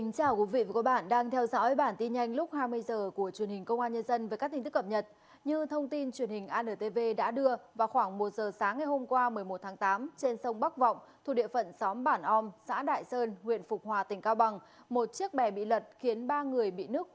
cảm ơn các bạn đã theo dõi